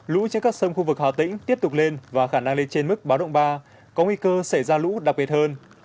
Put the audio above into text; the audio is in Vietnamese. lũ trên các sông khu vực hà tĩnh tiếp tục lên và khả năng lên trên mức báo động ba có nguy cơ xảy ra lũ đặc biệt hơn